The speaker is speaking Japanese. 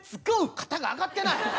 肩が上がってない！